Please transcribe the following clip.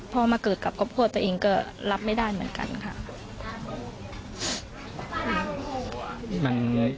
พอมาเกิดกับครอบครัวตัวเองก็รับไม่ได้เหมือนกันค่ะ